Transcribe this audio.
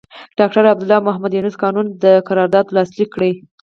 ډاکټر عبدالله او محمد یونس قانوني دا قرارداد لاسليک کړ.